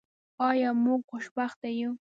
آیا موږ خوشبخته یو؟